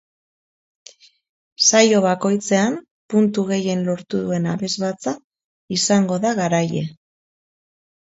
Saio bakoitzean puntu gehien lortu duen abesbatza izango da garaile.